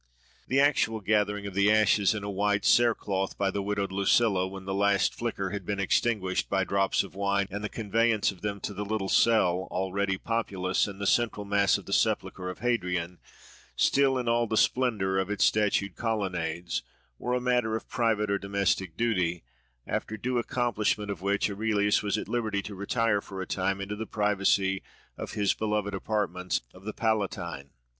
The actual gathering of the ashes in a white cere cloth by the widowed Lucilla, when the last flicker had been extinguished by drops of wine; and the conveyance of them to the little cell, already populous, in the central mass of the sepulchre of Hadrian, still in all the splendour of its statued colonnades, were a matter of private or domestic duty; after the due accomplishment of which Aurelius was at liberty to retire for a time into the privacy of his beloved apartments of the Palatine.